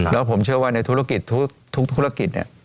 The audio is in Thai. แล้วผมเชื่อว่าในธุรกิจทุกธุรกิจเนี่ย